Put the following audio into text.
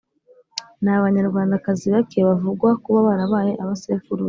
Ni Abanyarwandakazi bake bavugwa kuba barabaye abasekuruza